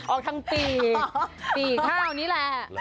ออกทางปีปีข้าวนี่แหละ